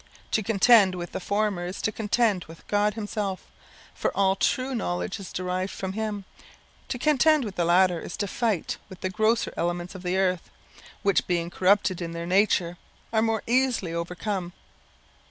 To contend with the former, is to contend with God himself, for all true knowledge is derived from him; to contend with the latter, is to fight with the grosser elements of the earth, which being corruptible in their nature, are more easily overcome.